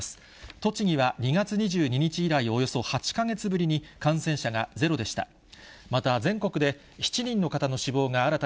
栃木は２月２２日以来、およそ８か月ぶりに感染者がゼロでした。